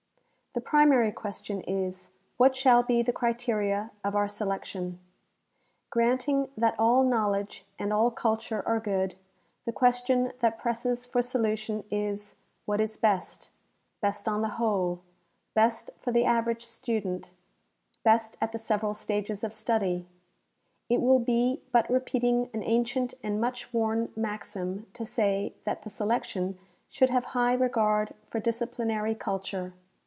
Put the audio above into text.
The primary question is, What shall be the criteria of our selection? Granting that all knowledge and all culture are good, the question that presses for solution is. What is best — best on the whole ; best for the average student ; best at the several stages of stud}^ ? It will be but repeating an ancient and much worn maxim to say that the selection should have high regard for disciplinary culture.